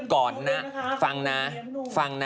ก่อนนะฟังนะฟังนะ